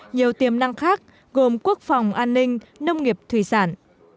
nhiều tiềm năng khác gồm quốc phòng an ninh nông nghiệp thủy sản